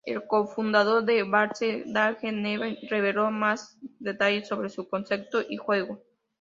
El co-fundador de Valve, Gabe Newell, reveló más detalles sobre su concepto y juego.